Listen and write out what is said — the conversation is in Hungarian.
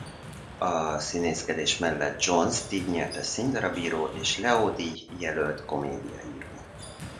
A színészkedés mellett Jones díjnyertes színdarab író és Leo-díj jelölt komédia író.